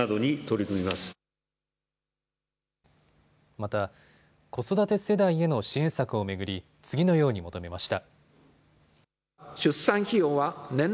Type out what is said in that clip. また、子育て世代への支援策を巡り次のように求めました。